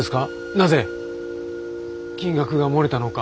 なぜ金額が漏れたのか。